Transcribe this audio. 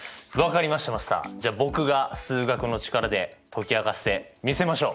じゃあ僕が数学の力で解き明かしてみせましょう。